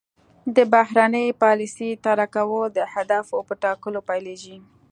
د بهرنۍ پالیسۍ طرح کول د اهدافو په ټاکلو پیلیږي